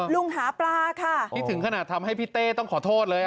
หาปลาค่ะนี่ถึงขนาดทำให้พี่เต้ต้องขอโทษเลย